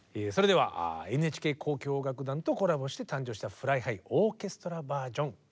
それではＮＨＫ交響楽団とコラボして誕生した「ＦｌｙＨｉｇｈ」オーケストラバージョン